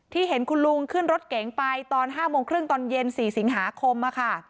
เห็นคุณลุงขึ้นรถเก๋งไปตอน๕โมงครึ่งตอนเย็น๔สิงหาคม